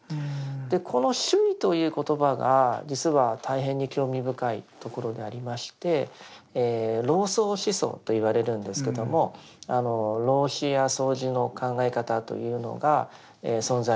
この「守意」という言葉が実は大変に興味深いところでありまして「老荘思想」と言われるんですけども老子や荘子の考え方というのが存在してたといいます。